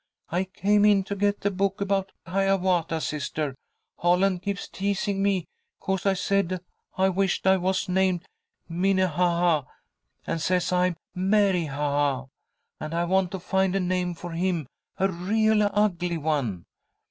I came in to get the book about Hiawatha, sister. Holland keeps teasing me 'cause I said I wished I was named Minnehaha, and says I am Mary ha ha. And I want to find a name for him, a real ugly one!"